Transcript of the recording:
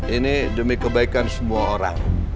ini demi kebaikan semua orang